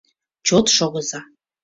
Чот шогыза!